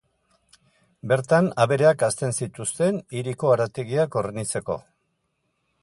Bertan abereak hazten zituzten hiriko harategiak hornitzeko.